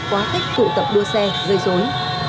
quá khích cụ tập đua xe gây dối